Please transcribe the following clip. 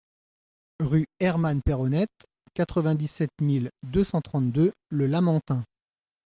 Rue Herman Pérronnette, quatre-vingt-dix-sept mille deux cent trente-deux Le Lamentin